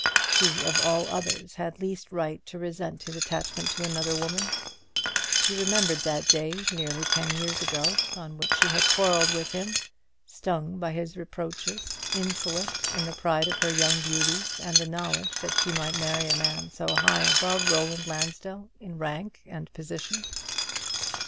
She of all others had least right to resent his attachment to another woman. She remembered that day, nearly ten years ago, on which she had quarrelled with him, stung by his reproaches, insolent in the pride of her young beauty and the knowledge that she might marry a man so high above Roland Lansdell in rank and position.